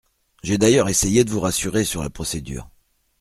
J’ai d’ailleurs essayé de vous rassurer sur la procédure.